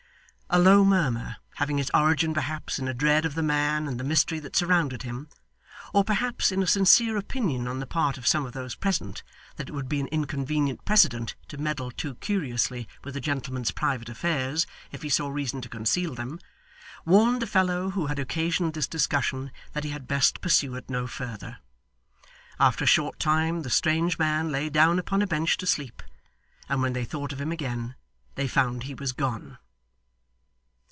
A low murmur, having its origin perhaps in a dread of the man and the mystery that surrounded him, or perhaps in a sincere opinion on the part of some of those present, that it would be an inconvenient precedent to meddle too curiously with a gentleman's private affairs if he saw reason to conceal them, warned the fellow who had occasioned this discussion that he had best pursue it no further. After a short time the strange man lay down upon a bench to sleep, and when they thought of him again, they found he was gone.